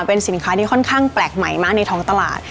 เป็นสินค้าที่ค่อนข้างแปลกใหม่มากในท้องตลาด